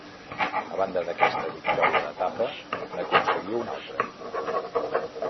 A banda d'aquesta victòria d'etapa n'aconseguí una altra.